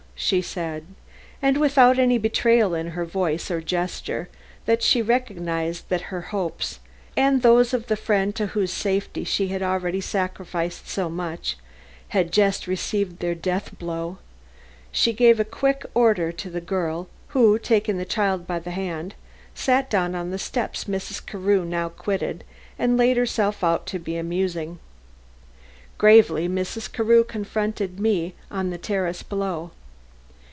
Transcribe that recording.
she said, and without any betrayal in voice or gesture that she recognized that her hopes, and those of the friend to whose safety she had already sacrificed so much, had just received their death blow, she gave a quick order to the girl who, taking the child by the hand, sat down on the steps Mrs. Carew now quitted and laid herself out to be amusing. Gravely Mrs. Carew confronted me on the terrace below.